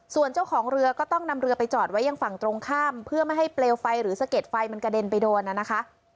ส่วนเจ้าของเรือก็ต้องนำเรือไปจอดไว้ยังฝั่งตรงข้ามเพื่อไม่ให้เปลวไฟหรือสะเด็ดไฟมันกระเด็นไปโดนนะคะ